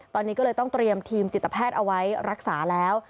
ตอนนี้ก็เลยต้องเตรียมทีมจิตแพทย์เอาไว้รักษาแล้ว